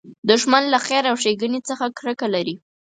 دښمن له خیر او ښېګڼې څخه کرکه لري